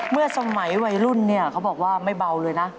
เมื่อสมัยวัยรุ่นเนี่ยเขาบอกว่าไม่เบาเลยนะ